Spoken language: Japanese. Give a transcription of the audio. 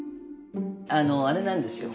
あのあれなんですよ。